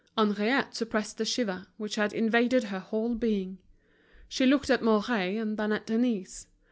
Henriette suppressed the shiver which had invaded her whole being; she looked at Mouret and then at Denise.